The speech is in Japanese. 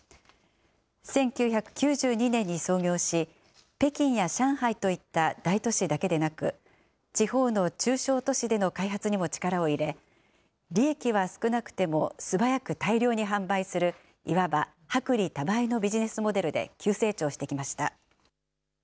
１９９２年に創業し、北京や上海といった大都市だけでなく、地方の中小都市での開発にも力を入れ、利益は少なくても、素早く大量に販売するいわば薄利多売のビジネスモデルで急成長してきました。